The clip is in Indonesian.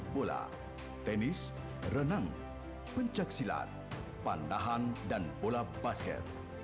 sepak bola tenis renang pencaksilan pandahan dan bola basket